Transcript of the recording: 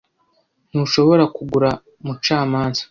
Ntushobora kugura mucamanza.